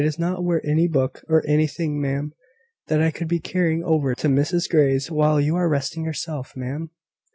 Is not there any book, or anything, ma'am, that I could be carrying over to Mrs Grey's while you are resting yourself, ma'am?"